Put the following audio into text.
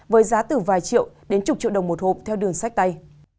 với giá từ vài triệu đến chục triệu đồng một hộp theo đường sách tay